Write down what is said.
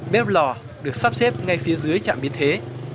bếp lò được sắp xếp ngay phía dưới trạm biến thế